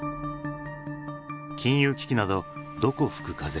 金融危機などどこ吹く風。